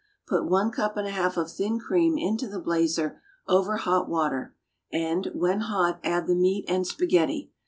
Put one cup and a half of thin cream into the blazer over hot water, and, when hot, add the meat and spaghetti.